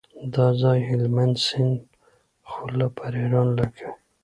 دا ځای هلمند سیند خوله پر ایران لګوي.